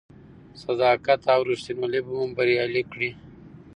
صداقت او رښتینولي به مو بریالي کړي.